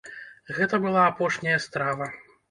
Гэта была апошняя страва.